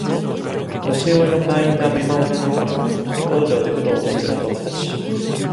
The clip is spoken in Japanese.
年上の会員が見守るなか、道場で武道をする子供たち。